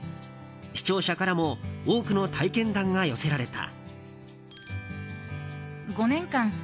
視聴者からも多くの体験談が寄せられた。